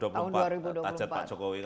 tahajat pak jokowi kan